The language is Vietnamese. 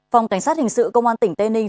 phòng cảnh sát hình sự công an tỉnh tây ninh